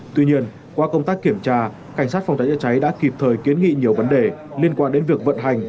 tuy nhiên qua công tác kiểm tra cảnh sát phòng cháy chữa cháy đã kịp thời kiến nghị nhiều vấn đề liên quan đến việc vận hành